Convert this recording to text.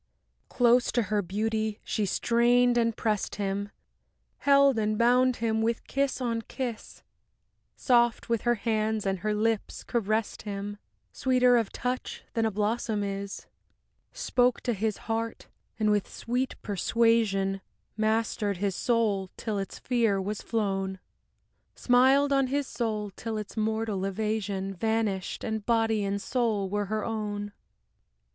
V Close to her beauty she strained and pressed him, Held and bound him with kiss on kiss; Soft with her hands and her lips caressed him, Sweeter of touch than a blossom is. Spoke to his heart, and with sweet persuasion Mastered his soul till its fear was flown; Smiled on his soul till its mortal evasion Vanished, and body and soul were her own.